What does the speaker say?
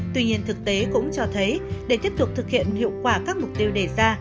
tuy nhiên thực tế cũng cho thấy để tiếp tục thực hiện hiệu quả các mục tiêu đề ra